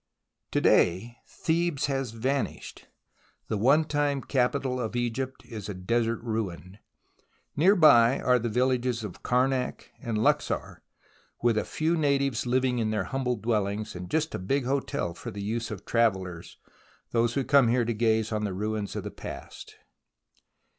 To day Thebes has vanished. The one time capital of Egypt is a desert ruin. Near by are the villages of Karnak and Luxor, with a few natives living in their humble dweUings, and just a big hotel for the use of travellers, who come here to gaze on the ruins of the past.